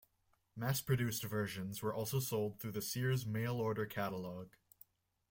Mass-produced versions were also sold through the Sears mail-order catalogue.